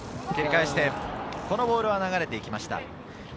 このボールは流れていきました。